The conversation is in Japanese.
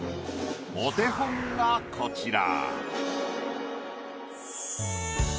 お手本がこちら。